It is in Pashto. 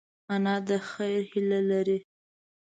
انا د خیر هیله لري